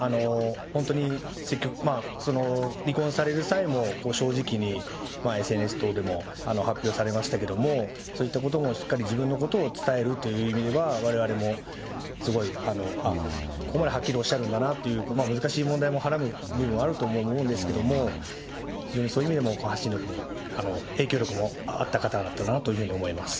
本当に、離婚される際も正直に、ＳＮＳ等でも発表されましたけども、そういったことも、しっかり自分のことを伝えるという意味では、われわれもすごい、あっ、ここまではっきりおっしゃるんだなって、難しい問題もはらむ部分はあるとも思うんですけれども、非常にそういう意味でも発信力も、影響力もあった方だったなというふうに思います。